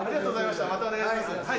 またお願いします。